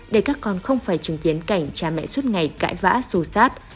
để các con không phải chứng kiến cảnh cha mẹ suốt ngày cãi vã xù xát